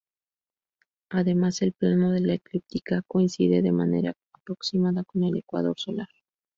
Además, el plano de la eclíptica coincide de manera aproximada con el ecuador solar.